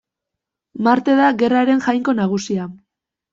Marte da gerraren jainko nagusia.